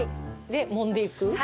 でもんでいく？